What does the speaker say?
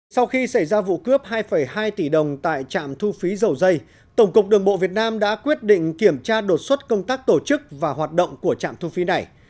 sau khi xảy ra vụ cướp hai hai tỷ đồng tại trạm thu phí dầu dây tổng cục đường bộ việt nam đã quyết định kiểm tra đột xuất công tác tổ chức và hoạt động của trạm thu phí này